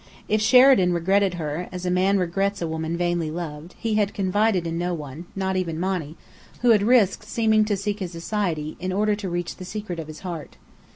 If Sheridan regretted her, as a man regrets a woman vainly loved, he had confided in no one, not even Monny, who had risked seeming to seek his society in order to reach the secret of his heart.